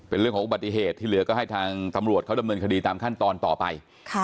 เป็นเรื่องของอุบัติเหตุที่เหลือก็ให้ทางตำรวจเขาดำเนินคดีตามขั้นตอนต่อไป